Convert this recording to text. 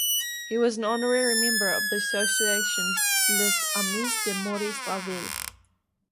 He was an honorary member of the association Les Amis de Maurice Ravel.